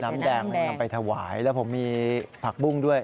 น้ำแดงนำไปถวายแล้วผมมีผักบุ้งด้วย